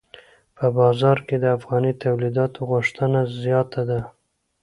په بازار کې د افغاني تولیداتو غوښتنه زیاته ده.